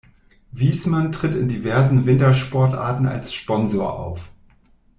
Viessmann tritt in diversen Wintersportarten als Sponsor auf.